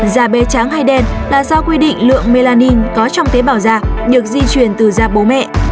da bé trắng hay đen là do quy định lượng melanin có trong tế bào da được di truyền từ da bố mẹ